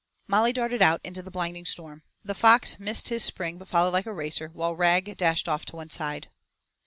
Molly darted out into the blinding storm. The fox missed his spring but followed like a racer, while Rag dashed off to one side.